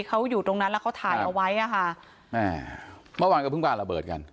เขาอยู่ตรงนั้นแล้วเขาถ่ายเอาไว้อ่ะค่ะแม่เมื่อวานก็เพิ่งว่าระเบิดกัน